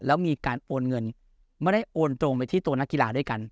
แล้วมีการโอนเงินไม่ได้โอนตรงไปที่ตัวนักกีฬาด้วยกัน